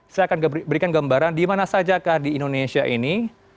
saya akan berikan gambaran di mana saja di indonesia ini